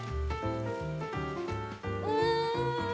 うん！